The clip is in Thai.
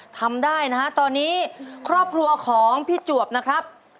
ทำได้นะฮะตอนนี้ครอบครัวของพี่จวบนะครับ